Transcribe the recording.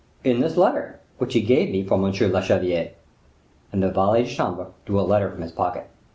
"In this letter, which he gave me for monsieur le chevalier." And the valet de chambre drew a letter form his pocket.